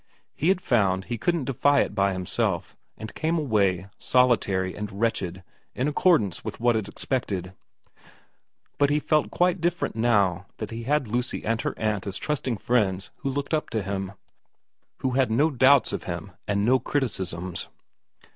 He had found he couldn't defy it by himself, and came away 44 VERA iv solitary and wretched in accordance with what it expected, but he felt quite different now that he had Lucy and her aunt as trusting friends who looked up to him, who had no doubts of him and no criticisms.